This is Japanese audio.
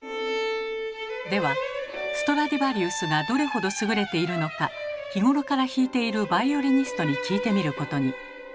ではストラディヴァリウスがどれほど優れているのか日頃から弾いているバイオリニストに聞いてみることに。